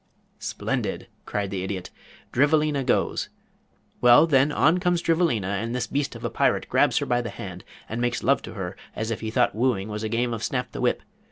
"Splendid," cried the Idiot. "Drivelina goes. Well, then on comes Drivelina and this beast of a Pirate grabs her by the hand and makes love to her as if he thought wooing was a game of snap the whip.